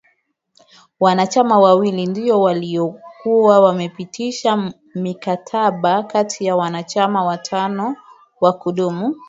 wanachama wawili ndiyo waliyokuwa wameptisha mkataba kati ya wanachama watano wa kudumu